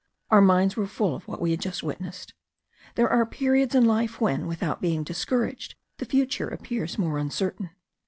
Our minds were full of what we had just witnessed. There are periods in life when, without being discouraged, the future appears more uncertain.